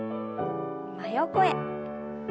真横へ。